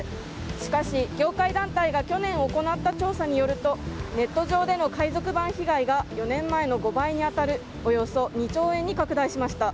しかし、業界団体が去年行った調査によるとネット上での海賊版被害が４年前の５倍に当たるおよそ２兆円に拡大しました。